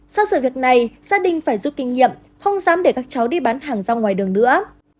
sau sự việc này gia đình phải rút kinh nghiệm không dám để các cháu đi bán hàng ra ngoài đường nữa